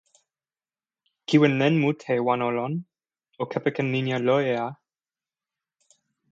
kiwen len mute wan o lon, o kepeken linja loje a!